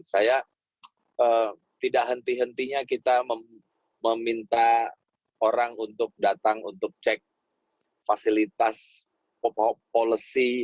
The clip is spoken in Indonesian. saya tidak henti hentinya kita meminta orang untuk datang untuk cek fasilitas policy